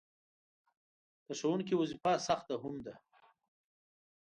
د ښوونکي وظیفه سخته هم ده.